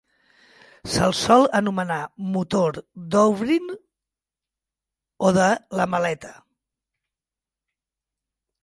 Se'l sol anomenar motor "Douvrin" o de "la maleta".